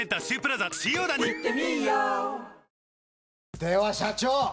では、社長！